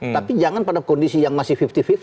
tapi jangan pada kondisi yang masih lima puluh lima puluh